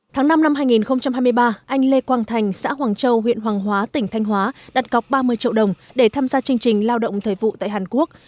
tháng năm năm hai nghìn hai mươi ba anh lê quang thành xã hoàng châu huyện hoàng hóa tỉnh thanh hóa đặt cọc ba mươi triệu đồng để tham gia chương trình lao động thời vụ tại hàn quốc